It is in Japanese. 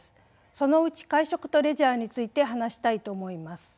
そのうち会食とレジャーについて話したいと思います。